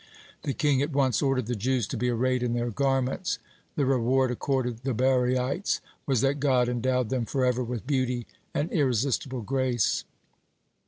The king at once ordered the Jews to be arrayed in their garments. The reward accorded the Bariites was that God endowed them forever with beauty and irresistible grace.